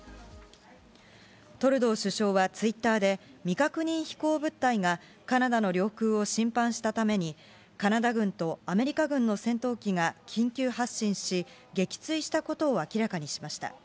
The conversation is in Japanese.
トルドー首相はツイッターで、未確認飛行物体がカナダの領空を侵犯したために、カナダ軍とアメリカ軍の戦闘機が緊急発進し、撃墜したことを明らかにしました。